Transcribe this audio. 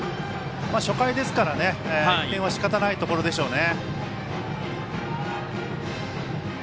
初回ですから、１点はしかたないところでしょうね。